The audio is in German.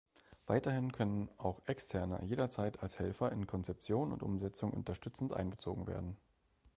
Weiterhin können auch Externe jederzeit als Helfer in Konzeption und Umsetzung unterstützend einbezogen werden.